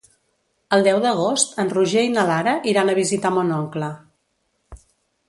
El deu d'agost en Roger i na Lara iran a visitar mon oncle.